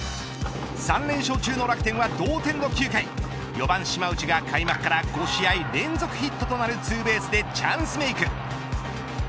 ３連勝中の楽天は、同点の９回４番島内が開幕から５試合連続ヒットとなるツーベースでチャンスメーク。